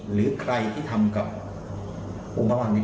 หรือใครที่ทำกับองค์ประมาณนี้